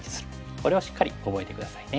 これをしっかり覚えて下さいね。